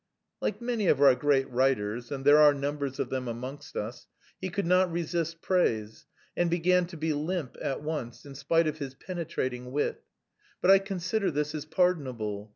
Like many of our great writers (and there are numbers of them amongst us), he could not resist praise, and began to be limp at once, in spite of his penetrating wit. But I consider this is pardonable.